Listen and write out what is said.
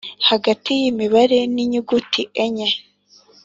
Hagati y’imibare n’inyuguti mm enye